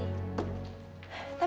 put put put